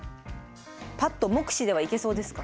パッと目視ではいけそうですか？